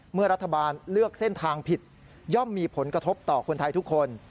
เมื่อรัฐบาลเลือกเส้นทางผิดย่อมมีผลกระทบต่อคนไทยทุกคน